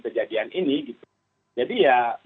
kejadian ini jadi ya